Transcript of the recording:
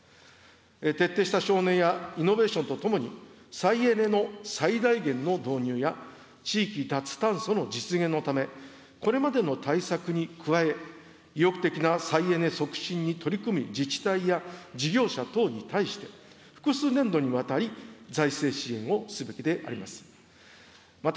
徹底した省エネや、イノベーションとともに、再エネの最大限の導入や、地域脱炭素の実現のため、これまでの対策に加え、意欲的な再エネ促進に取り組む自治体や事業者等に対して、複数年度にわたり、財政支援をすべきであります。